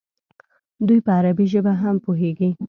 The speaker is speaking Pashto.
دوی په عربي ژبه هم پوهېږي.